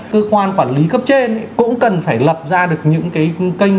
cơ quan quản lý cấp trên cũng cần phải lập ra được những cái kênh